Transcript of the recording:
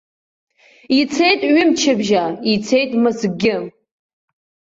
Ицеит ҩымчыбжьа, ицеит мызкгьы.